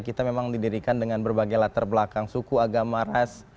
kita memang didirikan dengan berbagai latar belakang suku agama ras